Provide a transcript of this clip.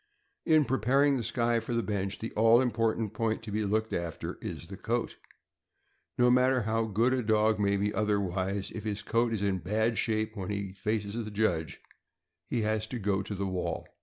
In preparing the Skye for the bench, the all important point to be looked after is the coat. No matter how good a dog may be otherwise, if his coat is in bad shape when he faces the judge, he has to go to the wall.